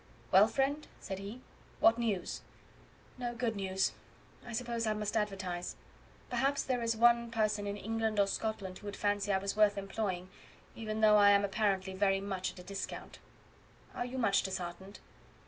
"Well, friend," said he, "what news?" "No good news. I suppose I must advertise. Perhaps there is one person in England or Scotland who would fancy I was worth employing, even though I am apparently very much at a discount." "Are you much disheartened?"